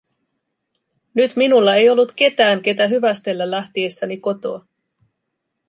Nyt minulla ei ollut ketään, ketä hyvästellä lähtiessäni kotoa.